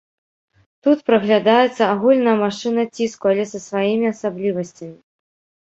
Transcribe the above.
Тут праглядаецца агульная машына ціску, але са сваімі асаблівасцямі.